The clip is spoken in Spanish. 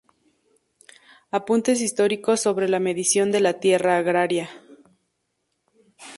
Apuntes históricos sobre la medición de la tierra agraria.